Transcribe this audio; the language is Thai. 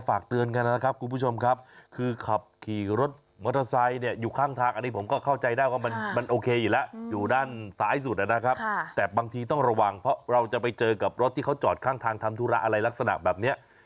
อันนี้อันตรายนะครับ